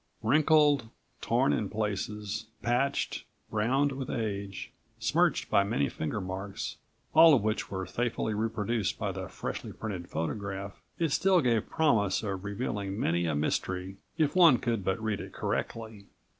Wrinkled, torn in places, patched, browned with age, smirched by many finger marks, all of which were faithfully reproduced by the freshly printed photograph, it still gave promise of revealing many a mystery if one could but read it correctly.